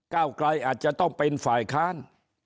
เก้าไกลอาจจะต้องเป็นฝ่ายค้าน